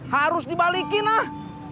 harus dibalikin ah